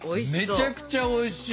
めちゃくちゃおいしい。